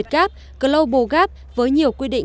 global gap với nhiều quy định